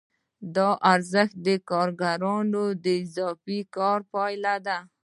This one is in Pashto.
دا ارزښت د کارګرانو د اضافي کار پایله ده